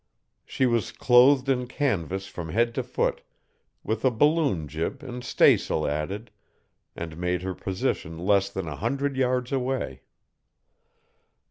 She was clothed in canvas from head to foot, with a balloon jib and staysail added, and made her position less than a hundred yards away.